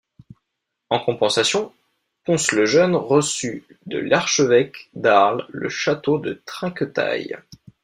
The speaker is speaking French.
En compensation, Pons le Jeune reçut de l'archevêque d'Arles le château de Trinquetaille.